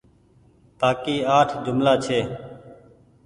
بآڪي اٺ جملآ ڇي